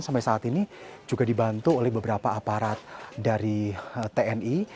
sampai saat ini juga dibantu oleh beberapa aparat dari tni